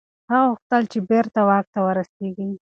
هغه غوښتل چي بیرته واک ته ورسیږي.